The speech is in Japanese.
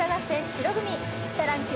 白組